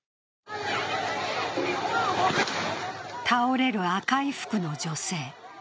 倒れる赤い服の女性。